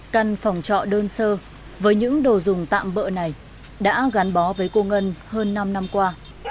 căn phòng trọ đơn sơ với những đồ dùng tạm bỡ này đã gắn bó với cô ngân hơn năm năm qua